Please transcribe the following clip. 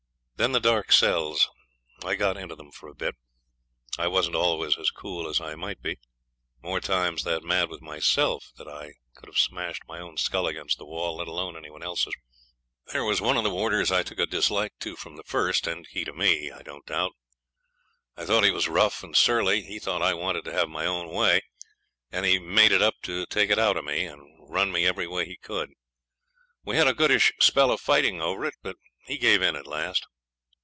Then the dark cells. I got into them for a bit. I wasn't always as cool as I might be more times that mad with myself that I could have smashed my own skull against the wall, let alone any one else's. There was one of the warders I took a dislike to from the first, and he to me, I don't doubt. I thought he was rough and surly. He thought I wanted to have my own way, and he made it up to take it out of me, and run me every way he could. We had a goodish spell of fighting over it, but he gave in at last.